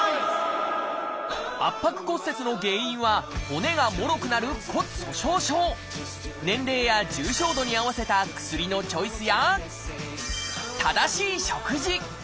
圧迫骨折の原因は骨がもろくなる年齢や重症度に合わせた薬のチョイスや正しい食事。